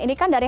ini kan dari